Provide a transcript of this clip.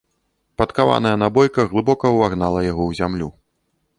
Падкаваная набойка глыбока ўвагнала яго ў зямлю.